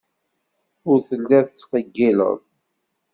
Ur telliḍ tettqeyyileḍ.